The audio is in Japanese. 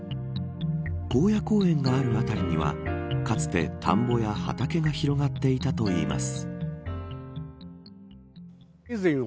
興野公園がある辺りにはかつて、田んぼや畑が広がっていたといいます。